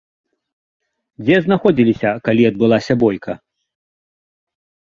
Дзе знаходзіліся, калі адбылася бойка?